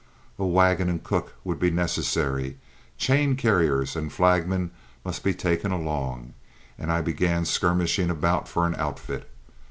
A wagon and cook would be necessary, chain carriers and flagmen must be taken along, and I began skirmishing about for an outfit.